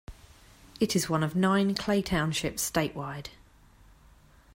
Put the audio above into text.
It is one of nine Clay Townships statewide.